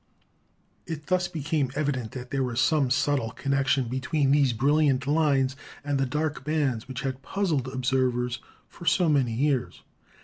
It thus became evident that there was some subtle connection between these brilliant lines and the dark bands which had puzzled observers for so many years.